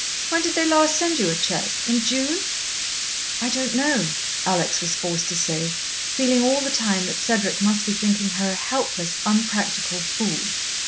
When did they last send you a cheque? In June?" "I don't know," Alex was forced to say, feeling all the time that Cedric must be thinking her a helpless, unpractical fool.